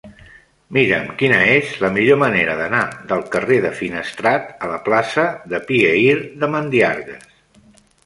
Mira'm quina és la millor manera d'anar del carrer de Finestrat a la plaça de Pieyre de Mandiargues.